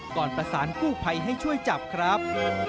ก่อนประสานกู้ภัยให้ช่วยจับครับ